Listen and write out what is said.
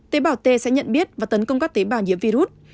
tế bảo t sẽ nhận biết và tấn công các tế bảo nhiễm virus